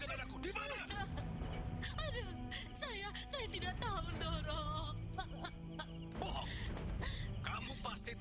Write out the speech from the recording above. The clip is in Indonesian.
tapi aryo melakukan itu doros enggak mungkin